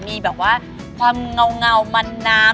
มีแบบว่าความเงามันน้ำ